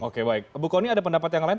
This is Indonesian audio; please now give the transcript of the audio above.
oke baik bu kony ada pendapat yang lain